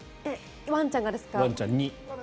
ワンちゃんにですか？